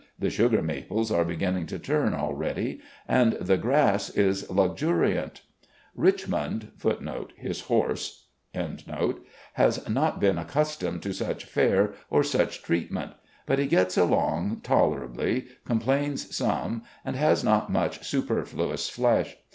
The sugar maples are beginning to turn already, and the grass is luxuriant. "'Richmond'* has not been accustomed to such fare or such treatment. But he gets along tolerably, com plains some, and has not much superfluous flesh.